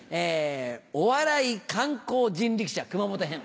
「お笑い観光人力車熊本編」。